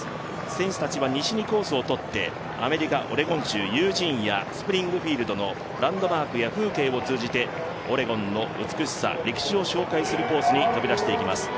選手たちは西にコースを取ってアメリカオレゴン州ユージーンスプリングフィールドのランドマークや風景を通じてオレゴンの美しさ歴史を紹介するコースに飛び出していきます。